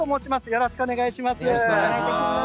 よろしくお願いします。